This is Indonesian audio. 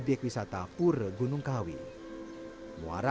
hai teman yang lagi tinggal relax